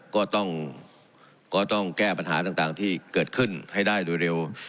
ก็ต้องแก้ปัญหาต่างที่เกิดขึ้นให้ได้โดยเร็ว